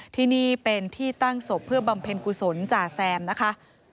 ที่นี่เป็นที่ตั้งศพเพื่อบำเพ็ญกุศลจ่าแซมนะคะ